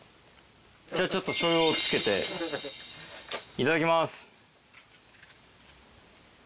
じゃあちょっと醤油をつけていただきます。